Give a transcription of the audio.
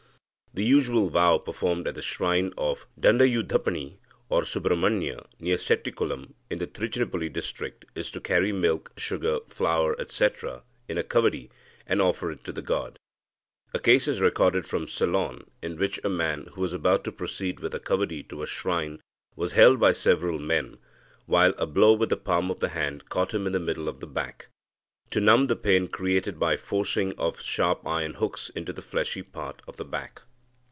The usual vow performed at the shrine of Dandayudhapani or Subramanya near Settikulam in the Trichinopoly district is to carry milk, sugar, flour, etc., in a kavadi, and offer it to the god. A case is recorded from Ceylon, in which a man who was about to proceed with a kavadi to a shrine was held by several men, while a blow with the palm of the hand caught him in the middle of the back, to numb the pain created by the forcing of sharp iron hooks into the fleshy part of the back.